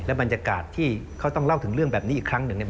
บรรยากาศที่เขาต้องเล่าถึงเรื่องแบบนี้อีกครั้งหนึ่งเนี่ย